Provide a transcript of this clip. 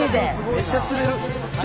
めっちゃ釣れる。